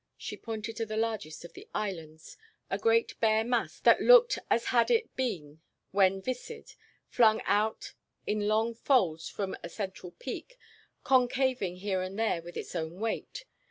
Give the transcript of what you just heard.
She pointed to the largest of the islands, a great bare mass that looked as had it been, when viscid, flung out in long folds from a central peak, concaving here and there with its own weight.